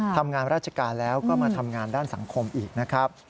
ทำงานราชการแล้วก็มาทำงานด้านสังคมอีกนะครับ